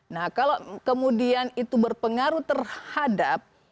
nah kalau kemudian itu berpengaruh terhadap